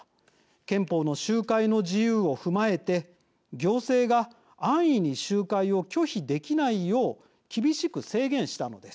憲法の集会の自由を踏まえて行政が安易に集会を拒否できないよう厳しく制限したのです。